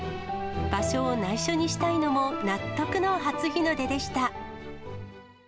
場所をないしょにしたいのも納得の初日の出でした。